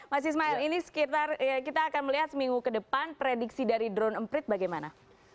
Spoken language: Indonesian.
mas ismail ini sekitar kita akan melihat seminggu ke depan prediksi dari drone emprit bagaimana